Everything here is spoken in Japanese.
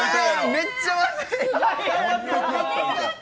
めっちゃまずい。